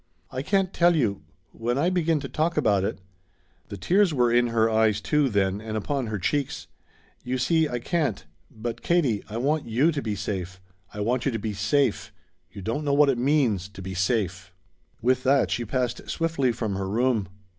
"I can't tell you when I begin to talk about it " The tears were in her eyes, too, then, and upon her cheeks. "You see I can't But, Katie I want you to be safe. I want you to be safe. You don't know what it means to be safe." With that she passed swiftly from her room.